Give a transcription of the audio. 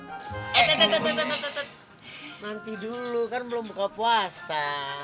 nanti dulu kan belum buka puasa